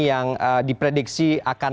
yang diprediksi akan